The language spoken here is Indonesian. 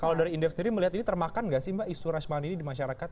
kalau dari indeks sendiri melihat ini termakan gak sih mbak isu rashmani ini di masyarakat